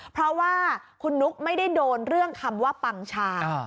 เพราะว่าคุณนุ๊กไม่ได้โดนเรื่องคำว่าปังชา